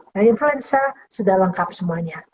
nah influenza sudah lengkap semuanya